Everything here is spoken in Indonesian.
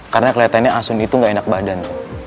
karena keliatannya asun itu ga enak badan